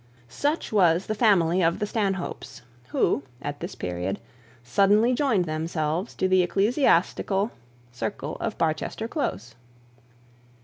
Such was the family of the Stanhopes, who, at this period, suddenly joined themselves to the ecclesiastical circle of Barchester close.